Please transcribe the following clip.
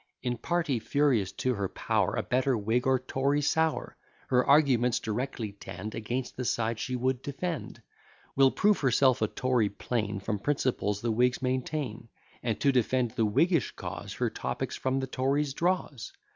In party, furious to her power; A bitter Whig, or Tory sour; Her arguments directly tend Against the side she would defend; Will prove herself a Tory plain, From principles the Whigs maintain; And, to defend the Whiggish cause, Her topics from the Tories draws.